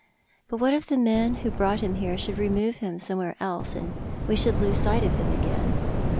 " But what if the men who brought him here should remove him somewhere else, and we should lose sight of him again?